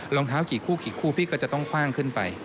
รองเท้ากี่คู่กี่คู่พี่ก็จะต้องคว่างขึ้นไป